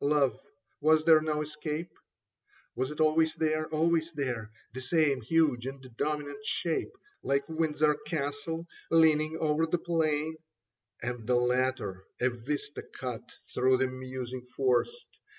Love — ^was there no escape ? Was it always there, always there ? The same huge and dominant shape. Like Windsor Castle leaning over the plain ; And the letter a vista cut through the musing forest.